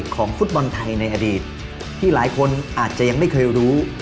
ของฟุตบอลไทยในอดีตที่หลายคนอาจจะยังไม่เคยรู้